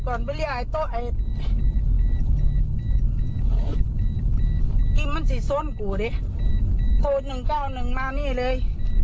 โทร๑๙๑มานี่เลย